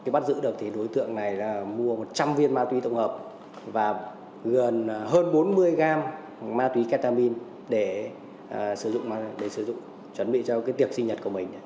bắt giữ được thì đối tượng này mua một trăm linh viên ma túy tổng hợp và gần hơn bốn mươi gram ma túy ketamin để sử dụng để sử dụng chuẩn bị cho tiệc sinh nhật của mình